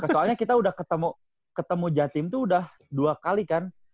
soalnya kita udah ketemu jatim itu udah dua kali kan